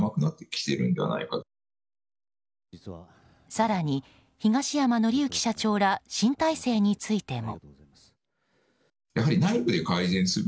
更に東山紀之社長ら新体制についても。